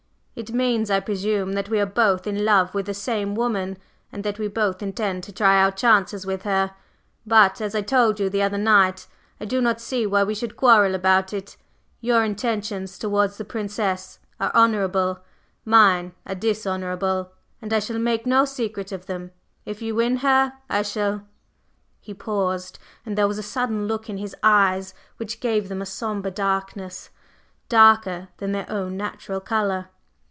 "It means, I presume, that we are both in love with the same woman, and that we both intend to try our chances with her. But, as I told you the other night, I do not see why we should quarrel about it. Your intentions towards the Princess are honorable mine are dishonorable, and I shall make no secret of them. If you win her, I shall …" He paused, and there was a sudden look in his eyes which gave them a sombre darkness, darker than their own natural color.